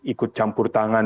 ikut campur tangan